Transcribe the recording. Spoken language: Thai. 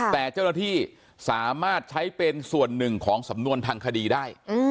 แต่เจ้าหน้าที่สามารถใช้เป็นส่วนหนึ่งของสำนวนทางคดีได้